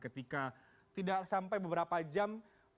ketika tidak sampai beberapa jam